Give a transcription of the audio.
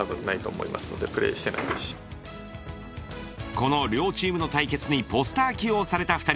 この両チームの対決にポスター起用された２人。